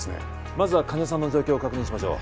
まずは患者さんの状況を確認しましょう